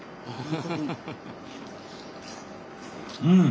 うん！